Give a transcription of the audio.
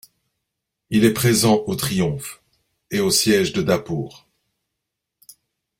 Il est présent au triomphe et au siège de Dapour.